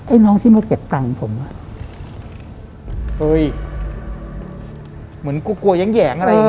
ไอ้น้องที่มาเก็บตังค์ผมอะ